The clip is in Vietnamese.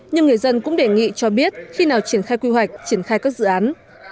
nhưng người dân cũng đề nghị cho biết khi nào triển khai quy hoạch triển khai các dự án